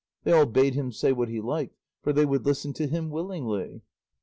They all bade him say what he liked, for they would listen to him willingly.